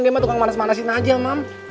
dia mah tukang manas manasin aja mam